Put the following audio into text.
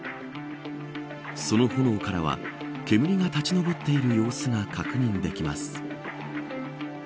その炎からは煙が立ち上っている様子が確認できます。